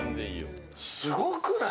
すごくない？